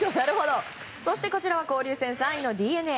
こちらは交流戦３位にＤｅＮＡ。